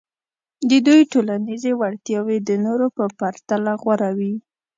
د دوی ټولنیزې وړتیاوې د نورو په پرتله غوره وې.